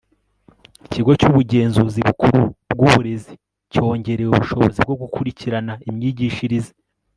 ikigo cy'ubugenzuzi bukuru bw'uburezi cyongerewe ubushobozi bwo gukurikirana imyigishirize